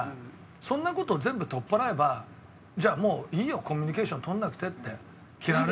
そんな事を全部取っ払えればじゃあもういいよコミュニケーション取らなくてって。